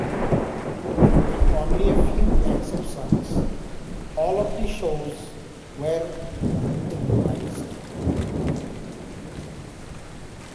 With only a few exceptions, all of the shows were improvised.